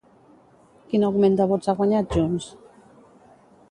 Quin augment de vots ha guanyat Junts?